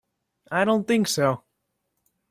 I don't think so.